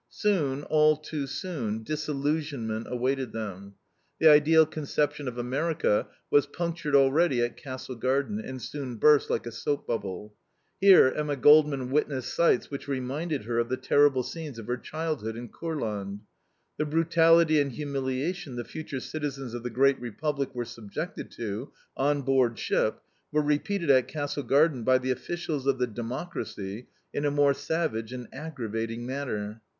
Soon, all too soon, disillusionment awaited them. The ideal conception of America was punctured already at Castle Garden, and soon burst like a soap bubble. Here Emma Goldman witnessed sights which reminded her of the terrible scenes of her childhood in Kurland. The brutality and humiliation the future citizens of the great Republic were subjected to on board ship, were repeated at Castle Garden by the officials of the democracy in a more savage and aggravating manner.